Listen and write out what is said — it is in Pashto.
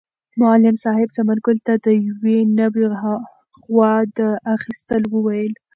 معلم صاحب ثمر ګل ته د یوې نوې غوا د اخیستلو وویل.